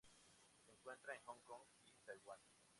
Se encuentra en Hong Kong y Taiwán.